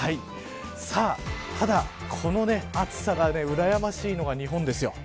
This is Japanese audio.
ただ、この暑さがうらやましいのが日本ですよ。